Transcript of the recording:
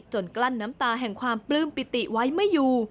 กลั้นน้ำตาแห่งความปลื้มปิติไว้ไม่อยู่